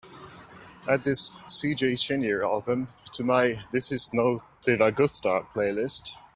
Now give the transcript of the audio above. Add this C J Chenier album to my this is no te va gustar playlist